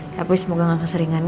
tapi semoga gak keseringan